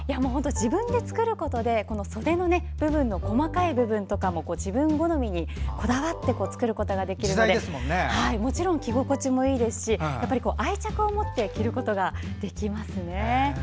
自分で作ることで袖の部分の細かい部分とかも自分好みにこだわって作ることができるので着心地がいいですし愛着を持って着ることができますね。